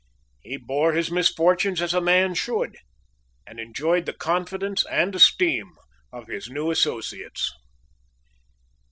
He bore his misfortunes as a man should, and enjoyed the confidence and esteem of his new associates.